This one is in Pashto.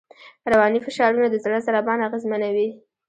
رواني فشارونه د زړه ضربان اغېزمنوي.